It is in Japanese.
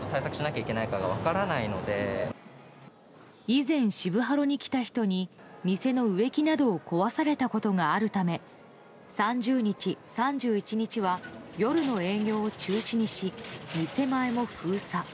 以前、渋ハロに来た人に店の植木などを壊されたことがあるため３０日、３１日は夜の営業を中止にし店前も封鎖。